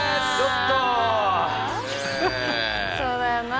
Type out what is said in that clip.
そうだよな。